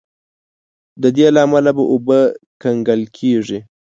د دې له امله به اوبه کنګل کیږي.